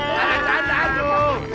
ke sana ke sana aduh